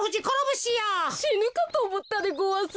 しぬかとおもったでごわす。